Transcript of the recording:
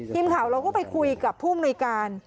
ทีมข่าวเราก็ไปคุยกับผู้มนุยการ